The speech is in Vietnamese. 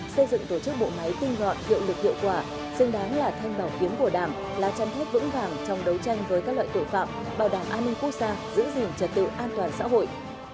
xây dựng tổ chức bộ máy tinh gọn hiệu lực hiệu quả xứng đáng là thanh bảo kiếm của đảng là chăn thép vững vàng trong đấu tranh với các loại tội phạm bảo đảm an ninh quốc gia giữ gìn trật tự an toàn xã hội